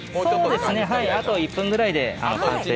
あと１分ぐらいで。